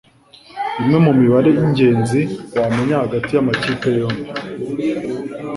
Imwe mu mibare y'ingenzi wamenya hagati y'amakipe yombi